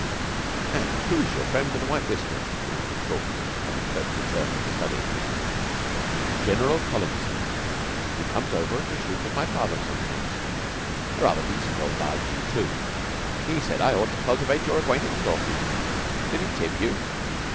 "An' who's your friend with the white whiskers?" demanded Stalky, on McTurk's return to the study. "General Collinson. He comes over to shoot with my father sometimes. Rather a decent old bargee, too. He said I ought to cultivate your acquaintance, Stalky." "Did he tip you?"